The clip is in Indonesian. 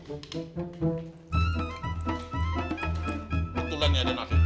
kebetulan ya ada nasi